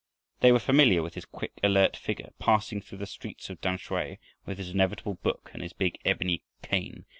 They were familiar with his quick, alert figure passing through the streets of Tamsui, with his inevitable book and his big ebony cane.